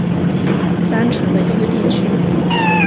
三城的一个地区。